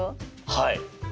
はい。